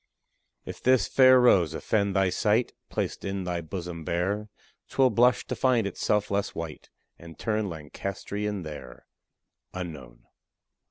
If this fair rose offend thy sight, Placed in thy bosom bare, 'Twill blush to find itself less white, And turn Lancastrian there. UNKNOWN.